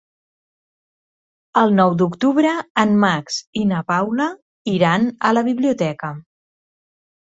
El nou d'octubre en Max i na Paula iran a la biblioteca.